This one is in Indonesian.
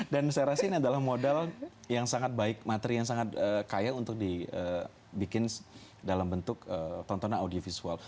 dan saya rasa ini adalah modal yang sangat baik materi yang sangat kaya untuk dibikin dalam bentuk tontonan audiovisual